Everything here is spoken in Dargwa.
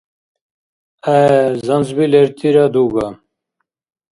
ГӀе, занзби лертира дуга.